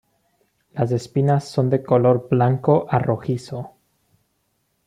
Las espinas son de color blanco a rojizo.